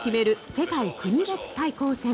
世界国別対抗戦。